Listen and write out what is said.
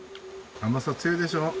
甘さ強いでしょ？